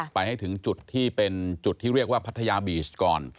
ไปให้ถึงจุดที่เป็นจุดที่เรียกว่าพัทยาบีชก่อน